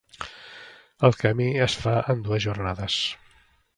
El camí es fa en dues jornades.